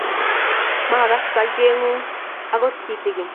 maakas bolcheng'ung akot kitegen